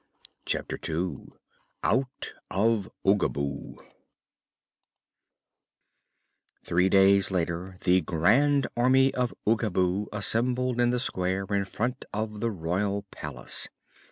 Chapter Two Out of Oogaboo Three days later the Grand Army of Oogaboo assembled in the square in front of the royal palace.